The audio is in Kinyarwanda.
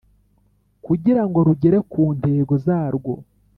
kugirango rugere ku ntego zarwo